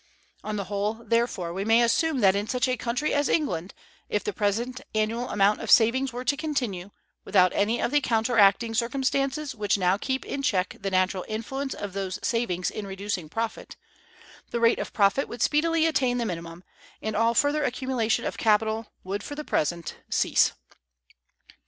On the whole, therefore, we may assume that in such a country as England, if the present annual amount of savings were to continue, without any of the counteracting circumstances which now keep in check the natural influence of those savings in reducing profit, the rate of profit would speedily attain the minimum, and all further accumulation of capital would for the present cease.